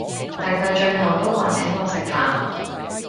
但佢最後都話請我食飯